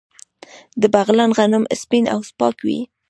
د بغلان غنم سپین او پاک وي.